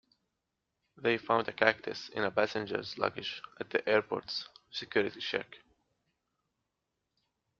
They found a cactus in a passenger's luggage at the airport's security check.